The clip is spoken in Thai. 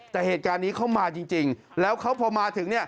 แต่เหตุการณ์นี้เขามาจริงแล้วเขาพอมาถึง